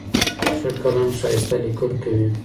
ښه قلم ښایسته لیکل کوي.